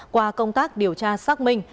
qua công tác điều tra xác minh